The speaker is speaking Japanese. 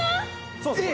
そうです。